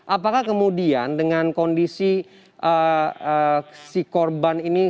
apakah kemudian dengan kondisi si korban ini